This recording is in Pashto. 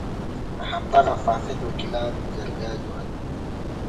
همدغه فاسد وکیلان جرګه جوړوي.